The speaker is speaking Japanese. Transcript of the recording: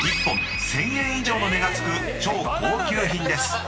［１本１，０００円以上の値が付く超高級品です］